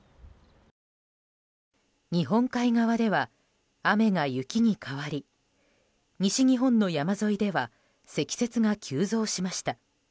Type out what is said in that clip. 日本海側では雨が雪に変わり西日本の山沿いでは積雪が急増しました。